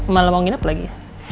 malah mau nginep lagi